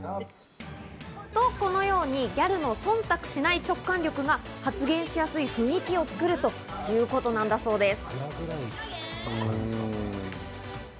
と、このように、ギャルの忖度しない直感力が発言しやすい雰囲気を作るということなんだそうです。